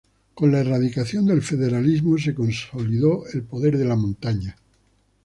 Con la erradicación del federalismo se consolidó el poder de La Montaña.